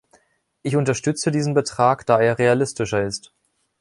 Ich unterstütze diesen Betrag, da er realistischer ist.